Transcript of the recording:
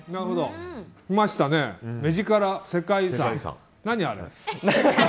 きましたね、目力世界遺産何あれ？